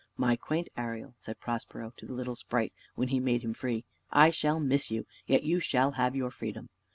"My quaint Ariel," said Prospero to the little sprite when he made him free, "I shall miss you; yet you shall have your freedom."